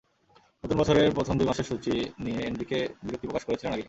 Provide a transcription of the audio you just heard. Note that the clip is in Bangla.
নতুন বছরের প্রথম দুই মাসের সূচি নিয়ে এনরিকে বিরক্তি প্রকাশ করেছিলেন আগেই।